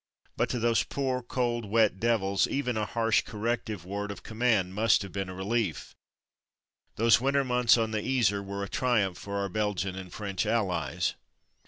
But to those poor, cold, wet devils, even a harsh corrective word of com mand must have been relief. Those winter months on the Yser were a triumph for our Belgian and French allies.